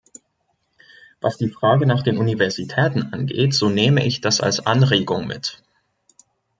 Was die Frage nach den Universitäten angeht, so nehme ich das als Anregung mit.